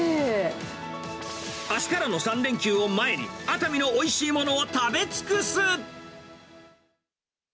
あすからの３連休を前に、熱海のおいしいものを食べ尽くす。